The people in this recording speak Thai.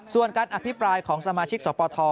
ส่วนการอภิปรายของสมาชิกสปท